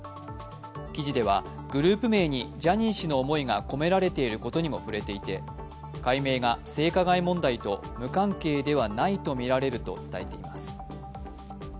記事では、グループ名にジャニー氏の思いが込められていることにも触れていて、改名が性加害問題と無関係ではないとみられると伝えています。